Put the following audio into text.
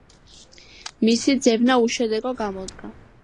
მისი ძებნა უშედეგო გამოდგა.